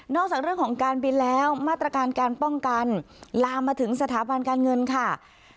จากเรื่องของการบินแล้วมาตรการการป้องกันลามมาถึงสถาบันการเงินค่ะ